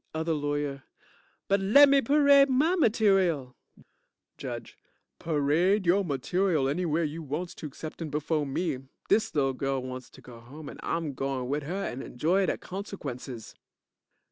OTHER LAWYER But, lemme parade my material JUDGE Parade yo' material anywhere you wants to exceptin' befo' me. Dis lil girl wants to go home and I'm goin' with her and enjoy de consequences.